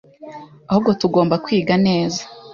ahubwo tugomba kwiga neza